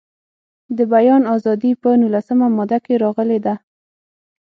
د بیان ازادي په نولسمه ماده کې راغلې ده.